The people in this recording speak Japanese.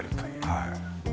はい。